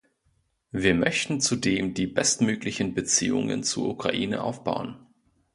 Wir möchten zudem die bestmöglichen Beziehungen zur Ukraine aufbauen.